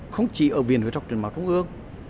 không chỉ ở viền hồi học trường mà cũng ước